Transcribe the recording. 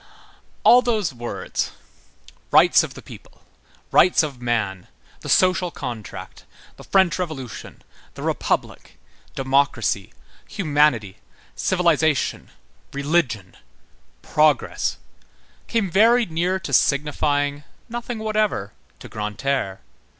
All those words: rights of the people, rights of man, the social contract, the French Revolution, the Republic, democracy, humanity, civilization, religion, progress, came very near to signifying nothing whatever to Grantaire.